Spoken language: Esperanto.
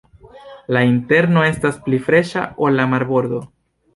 La interno estas pli freŝa ol la marbordo.